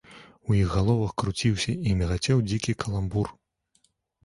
У іх галовах круціўся і мігацеў дзікі каламбур.